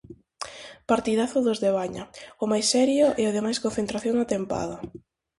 Partidazo dos de Baña, o máis serio e o de máis concentración da tempada.